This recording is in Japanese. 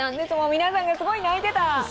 皆さんがすごい泣いてた！